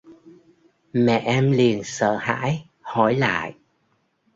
Mẹ em liền sợ hãi hỏi lại